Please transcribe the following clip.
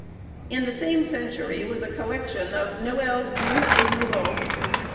In the same century was a collection of "Noëls vieux et nouveaux."